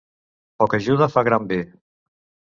Poca ajuda fa gran bé.